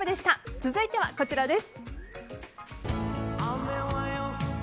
続いてはこちらです。